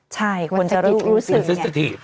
ใช่คนรู้สึกอย่างนี้นะ